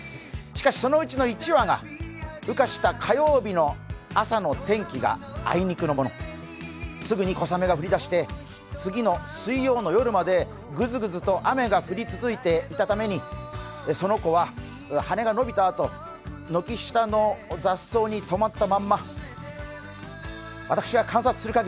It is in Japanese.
しかし、そのうちの１羽が羽化した火曜日の朝の天気があいにくのものすぐに小雨が降りだして次の水曜の夜までぐずぐずと雨が降り続いていたためにその子は羽が伸びたあと、軒下の雑草に止まった